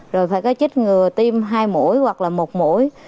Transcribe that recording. rồi phải có chích ngừa tim hai mũi hoặc là một mũi